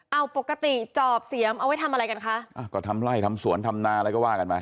เอาปกติจอบเสียมเอาไว้ทำอะไรกันคะอ่าก็ทำไล่ทำสวนทำนาอะไรก็ว่ากันมา